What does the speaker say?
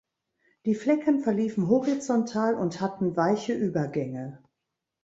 Die Flecken verliefen horizontal und hatten weiche Übergänge.